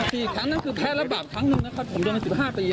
สี่ครั้งนั้นคือแค่ระบาปครั้งหนึ่งนะครับผมโดนในสิบห้าปีอ่ะ